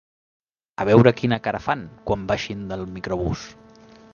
A veure quina cara fan, quan baixin del microbús.